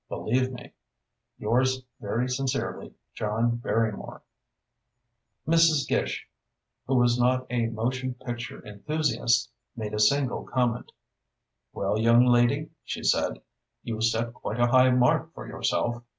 Believe me, Yours very sincerely, JOHN BARRYMORE Mrs. Gish, who was not a motion picture enthusiast, made a single comment: "Well, young lady," she said, "you've set quite a high mark for yourself.